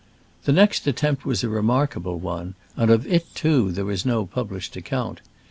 The next attempt was a remarkable one ; and of it, too, there is no publish ed account.